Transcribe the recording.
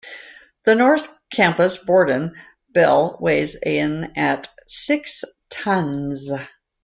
The North Campus bourdon bell weighs in at six tons.